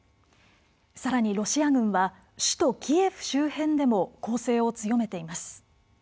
さらに、ロシア軍は首都キエフ周辺でも攻勢を強めています。